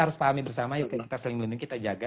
harus pahami bersama yuk kita saling melindungi kita jaga